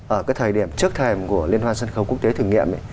ở cái thời điểm trước thêm của liên hoàn sân khấu quốc tế thử nghiệm